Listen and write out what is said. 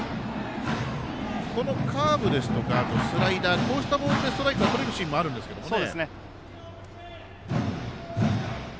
このカーブですとかスライダーこうしたボールでストライクとれるシーンもあるんですけどもね。